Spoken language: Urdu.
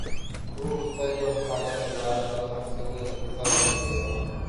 وہ غصہ جو ہمارے مزاج کا مستقل حصہ بن جائے